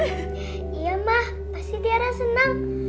iya ma pasti tiara seneng